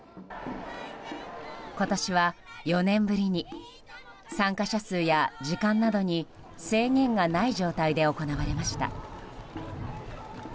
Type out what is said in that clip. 今年は４年ぶりに参加者数や時間などに制限がない状態で行われました。